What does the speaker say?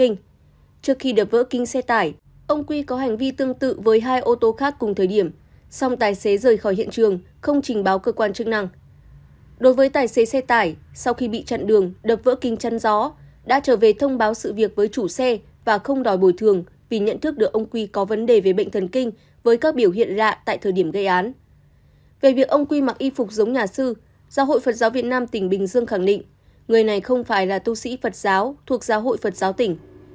giáo hội phật giáo việt nam tỉnh bình dương khẳng định người này không phải là tu sĩ phật giáo thuộc giáo hội phật giáo tỉnh